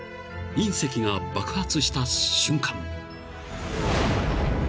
隕石が爆発した瞬間］